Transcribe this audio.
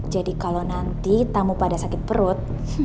jadi kalau nanti tamu pada sakit perut